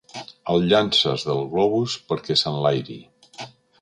El llances del globus perquè s'enlairi.